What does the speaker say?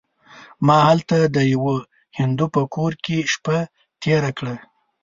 ما هلته د یوه هندو په کور کې شپه تېره کړه.